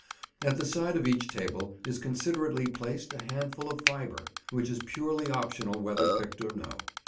At the side of each table is considerately placed a handful of fibre, which is purely optional whether picked or no.